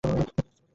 ভুল দিকে যাচ্ছ।